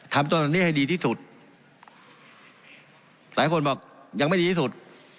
ทำตัวนั้นเนี้ยให้ดีที่สุดหลายคนบอกยังไม่ดีที่สุด